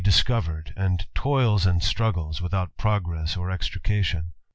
discovered, and toils and struggles without progress o extrication.